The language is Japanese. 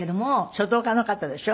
書道家の方でしょ？